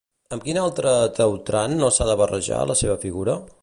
Amb quin altre Teutrant no s'ha de barrejar la seva figura?